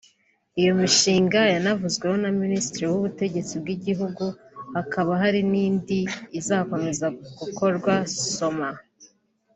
Iyo mishinga yanavuzweho na Minisitiri w’Ubutegetsi bw’Igihugu hakaba hari n’indi izakomeza gukorwa ( Soma